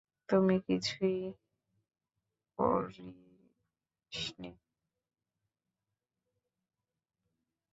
তুমি কিছুই করিসনি।